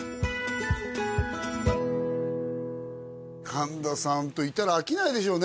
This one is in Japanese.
神田さんといたら飽きないでしょうね